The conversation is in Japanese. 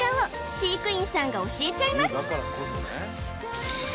飼育員さんが教えちゃいます